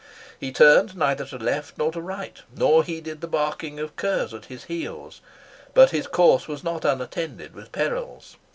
He turned neither to left nor right, nor heeded the barking of curs at his heels. But his course was not unattended with perils.